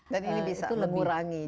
dan ini bisa mengurangi jumlah